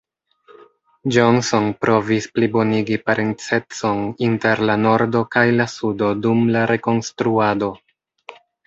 Johnson provis plibonigi parencecon inter la Nordo kaj la Sudo dum la Rekonstruado.